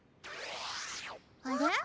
あれ？